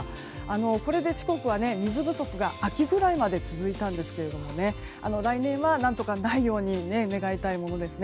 これで四国は水不足が秋ぐらいまで続いたんですが来年は何とかないように願いたいものですね。